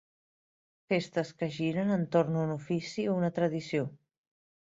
Festes que giren entorn un ofici o una tradició.